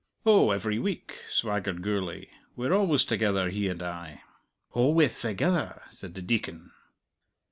"Oh, every week," swaggered Gourlay. "We're always together, he and I." "Alwayth thegither!" said the Deacon.